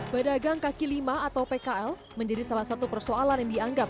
pedagang kaki lima atau pkl menjadi salah satu persoalan yang dianggap